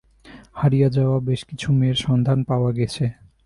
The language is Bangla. হারিয়ে যাওয়া বেশকিছু মেয়ের সন্ধান পাওয়া গেছে।